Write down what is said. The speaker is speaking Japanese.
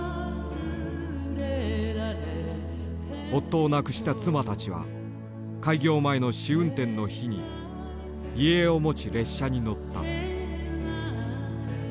夫を亡くした妻たちは開業前の試運転の日に遺影を持ち列車に乗った。